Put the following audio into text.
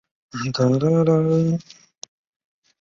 汪恩甲随后找到萧红。